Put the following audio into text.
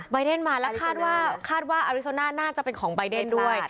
เดนมาแล้วคาดว่าคาดว่าอาริโซน่าน่าจะเป็นของใบเดนด้วย